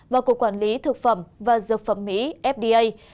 và cục quản lý thực phẩm và dược phẩm mỹ fda